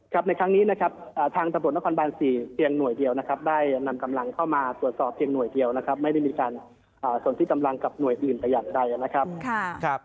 ในครั้งนี้นะครับทางตำรวจนครบาน๔เพียงหน่วยเดียวนะครับได้นำกำลังเข้ามาตรวจสอบเพียงหน่วยเดียวนะครับไม่ได้มีการส่วนที่กำลังกับหน่วยอื่นแต่อย่างใดนะครับ